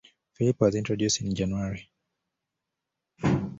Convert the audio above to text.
Felipe was introduced in January.